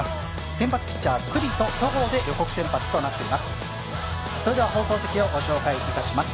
先発ピッチャー、九里と戸郷で予告先発となっています。